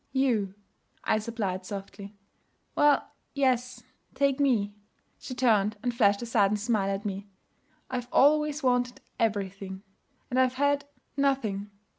'You,' I supplied softly. 'Well, yes, take me.' She turned and flashed a sudden smile at me. 'I've always wanted everything, and I've had nothing.'